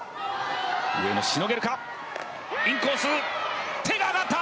上野、しのげるかインコース手が上がった！